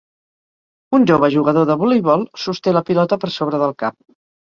Un jove jugador de voleibol sosté la pilota per sobre del cap.